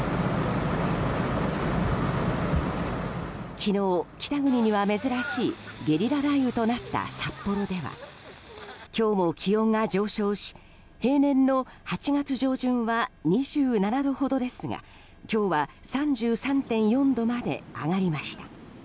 昨日、北国には珍しいゲリラ雷雨となった札幌では今日も気温が上昇し平年の８月上旬は２７度ほどですが今日は３３．４度まで上がりました。